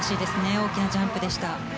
大きなジャンプでした。